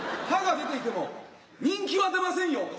歯が出ていても人気は出ませんよ。